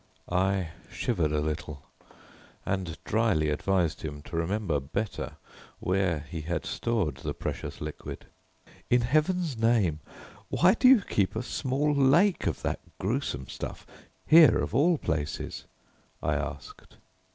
I shivered a little, and dryly advised him to remember better where he had stored the precious liquid. "In Heaven's name, why do you keep a small lake of that gruesome stuff here of all places?" I asked.